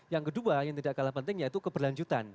yang kedua yang tidak kalah penting yaitu keberlanjutan